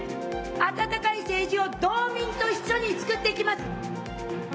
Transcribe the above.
あたたかい政治を道民と一緒に作っていきます。